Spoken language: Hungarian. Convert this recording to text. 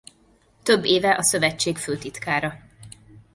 Több éve a Szövetség főtitkára.